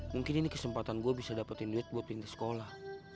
mungkin ini kesempatan gue bisa dapetin duit buat pintu sekolah